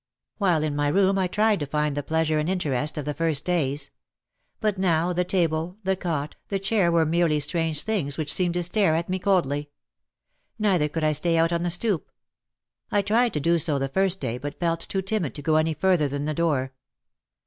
While in my room I tried to find the pleasure and interest of the first days. But now the table, the cot, the chair were merely strange things which seemed to stare at me coldly. Neither could I stay out on the stoop. I tried to do so the first day but felt too timid to go any further than the door.